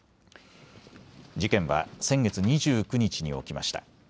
事件は先月２９日に起きました。